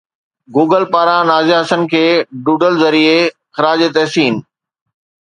Google پاران نازيه حسن کي doodle ذريعي خراج تحسين